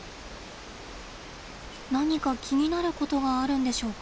何か気になることがあるんでしょうか？